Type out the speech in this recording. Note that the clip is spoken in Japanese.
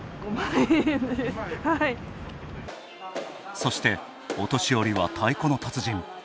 そしてお年寄りは「太鼓の達人」。